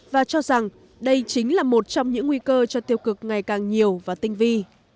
và cho rằng đây chính là một trong những nguy cơ cho tiêu cực ngày càng nhiều và tinh vi